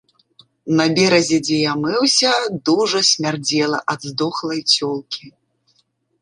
На беразе, дзе я мыўся, дужа смярдзела ад здохлай цёлкі.